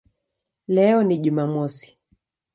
Leo ni Jumamosi".